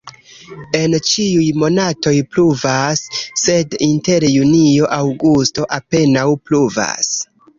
En ĉiuj monatoj pluvas, sed inter junio-aŭgusto apenaŭ pluvas.